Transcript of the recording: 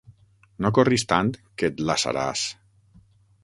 No corris tant, que et lassaràs.